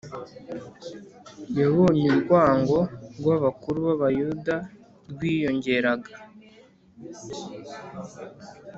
yabonye urwango rw’abakuru b’abayuda rwiyongeraga,